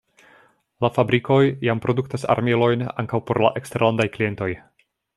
La fabrikoj jam produktas armilojn ankaŭ por la eksterlandaj klientoj.